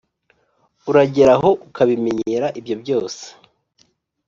uragera aho ukabimenyera ibyo byose,